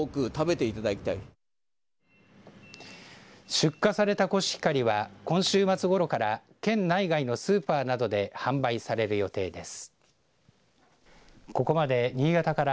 出荷されたコシヒカリは今週末ごろから県内外のスーパーなどで販売される予定です。